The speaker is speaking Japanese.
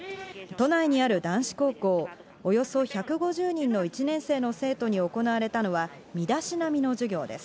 都内にある男子高校、およそ１５０人の１年生の生徒に行われたのは、身だしなみの授業です。